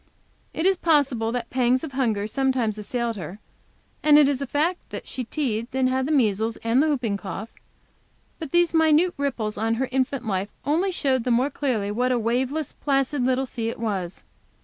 It is possible that pangs of hunger sometimes assailed her, and it is a fact that she teethed, had the measles and the whooping cough. But these minute ripples on her infant life only showed the more clearly what a waveless, placid little sea it was.